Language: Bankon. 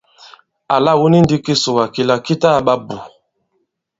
Àla wu ni ndī kisùwà kila ki ta kaɓa bù !